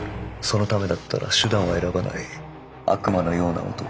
そのためだったら手段を選ばない悪魔のような男。